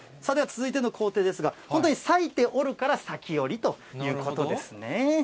では続いての工程ですが、本当に裂いて織るから裂き織りということですね。